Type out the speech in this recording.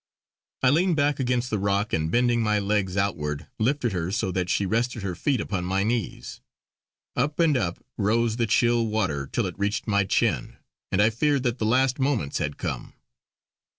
I leaned back against the rock and bending my legs outward lifted her so that she rested her feet upon my knees. Up and up rose the chill water till it reached my chin, and I feared that the last moments had come.